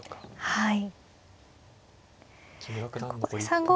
はい。